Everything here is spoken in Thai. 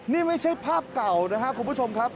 นี่ไม่ใช่ภาพเก่านะครับคุณผู้ชมครับ